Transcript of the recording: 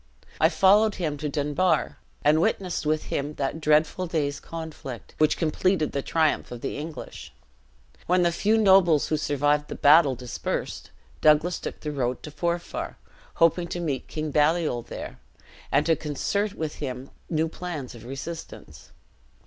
I followed him to Dunbar, and witnessed with him that dreadful day's conflict, which completed the triumph of the English. When the few nobles who survived the battle dispersed, Douglas took the road to Forfar, hoping to meet King Baliol there, and to concert with him new plans of resistance.